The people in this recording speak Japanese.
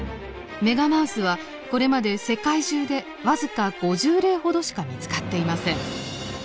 メガマウスはこれまで世界中で僅か５０例ほどしか見つかっていません。